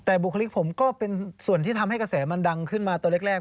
แต่บุคลิกผมก็เป็นส่วนที่ทำให้กระแสมันดังขึ้นมาตัวแรก